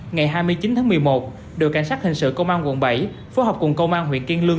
ngày hai mươi chín tháng một mươi một đội cảnh sát hình sự công an quận bảy phối hợp cùng công an huyện kiên lương